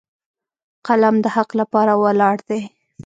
قلم د حق لپاره ولاړ دی